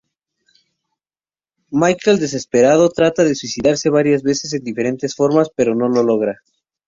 Michael desesperado trata de suicidarse varias veces en diferentes formas, pero no lo logra.